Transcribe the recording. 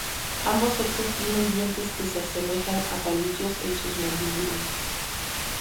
Ambos sexos tienen dientes que se asemejan a palillos en sus mandíbulas.